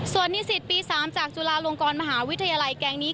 ส่วนนิสิตปี๓จากจุฬาลงกรมหาวิทยาลัยแก๊งนี้